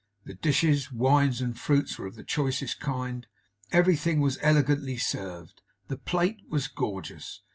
The dishes, wines, and fruits were of the choicest kind. Everything was elegantly served. The plate was gorgeous.